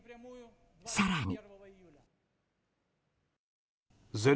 更に。